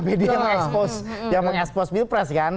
media yang mengekspos bilpres kan